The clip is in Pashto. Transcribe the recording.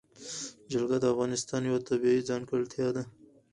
جلګه د افغانستان یوه طبیعي ځانګړتیا ده.